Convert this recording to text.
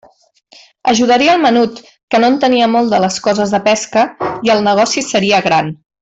Ajudaria el menut, que no entenia molt de les coses de pesca, i el negoci seria gran.